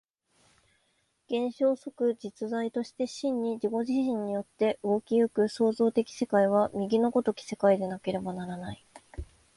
現象即実在として真に自己自身によって動き行く創造的世界は、右の如き世界でなければならない。